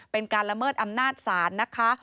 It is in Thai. เป็นการละเมิดอำนาจศาลนะคะ